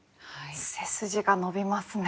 背筋が伸びますね。